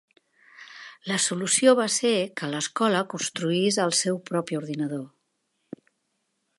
La solució va ser que l'Escola construís el seu propi ordinador.